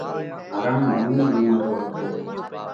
هرڻ نونِي عُمر رو هتو۔